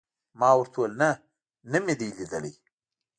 ما ورته وویل: نه، نه مې دي لیدلي.